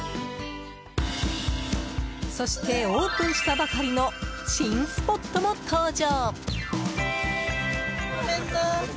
そして、オープンしたばかりの新スポットも登場。